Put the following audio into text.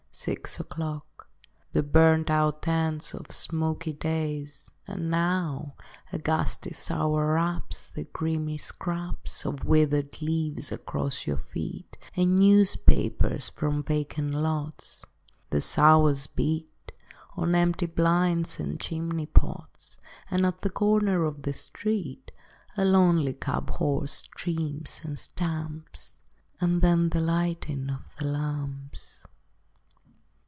Six o'clock. The burnt out ends of smoky days. And now a gusty shower wraps The grimy scraps Of withered leaves about your feet And newspapers from vacant lots; The showers beat On broken blinds and chimney pots, And at the corner of the street A lonely cab horse steams and stamps. And then the lighting of the lamps.